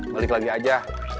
balik lagi aja